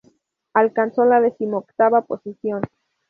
Alcanzó la decimoctava posición.